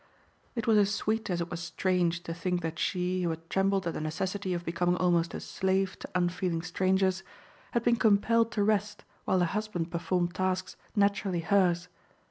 It was as sweet as it was strange to think that she, who had trembled at the necessity of becoming almost a slave to unfeeling strangers, had been compelled to rest while a husband performed tasks naturally hers.